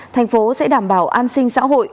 thành phố sẽ đảm bảo an sinh xã hội